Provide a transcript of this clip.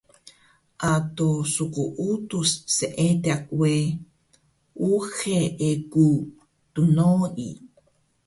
Ado skuudus seediq we uxe egu dnoi